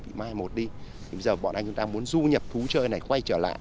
vì mai một đi thì bây giờ bọn anh chúng ta muốn du nhập thú chơi này quay trở lại